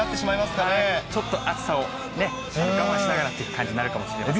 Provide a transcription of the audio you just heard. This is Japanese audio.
ちょっと暑さをね、我慢しながらという感じになるかもしれませんね。